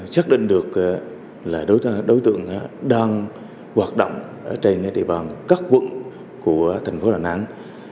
xác định được là đối tượng đang hoạt động ở trên địa bàn các quận của thành phố đà nẵng